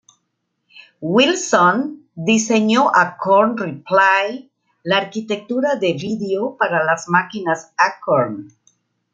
Wilson diseñó Acorn Replay, la arquitectura de vídeo para las máquinas Acorn.